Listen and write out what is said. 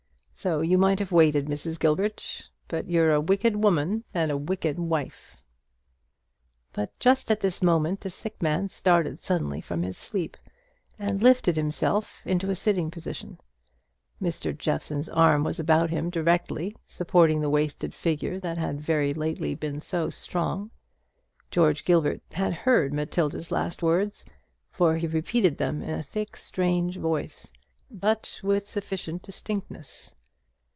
So you might have waited, Mrs. Gilbert; but you're a wicked woman and a wicked wife!" But just at this moment the sick man started suddenly from his sleep, and lifted himself into a sitting position. Mr. Jeffson's arm was about him directly, supporting the wasted figure that had very lately been so strong. George Gilbert had heard Matilda's last words, for he repeated them in a thick strange voice, but with sufficient distinctness.